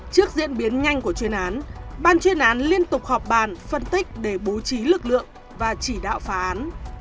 trước diễn biến nhanh của chuyên án ban chuyên án liên tục họp bàn phân tích để bố trí lực lượng và chỉ đạo phá án